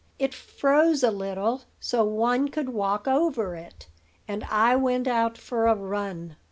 It froze a little, so one could walk over it, and I went out for a run.